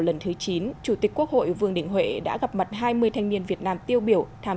lần thứ chín chủ tịch quốc hội vương đình huệ đã gặp mặt hai mươi thanh niên việt nam tiêu biểu tham